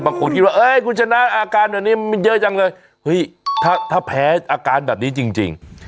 คิดว่าเอ้ยคุณชนะอาการแบบนี้มันเยอะจังเลยเฮ้ยถ้าแพ้อาการแบบนี้จริง